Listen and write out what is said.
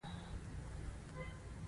د بنسټيزو بدلونونو راوستل دي